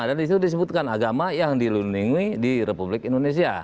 dan di situ disebutkan agama yang diluningi di republik indonesia